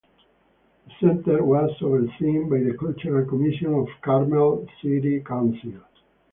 The center was overseen by the Cultural Commission of Carmel City Council.